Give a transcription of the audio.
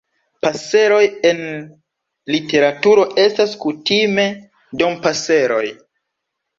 Paseroj en literaturo estas kutime Dompaseroj.